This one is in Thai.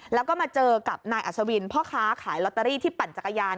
แล้วก็มาเจอกับนายอัศวินพ่อค้าขายลอตเตอรี่ที่ปั่นจักรยาน